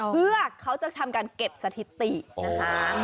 เพื่อเขาจะทำการเก็บสถิตินะคะ